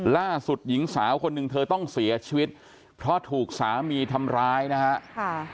ล่าสุดหญิงสาวคนหนึ่งเธอต้องเสียชีวิตเพราะถูกสามีทำร้ายนะฮะค่ะ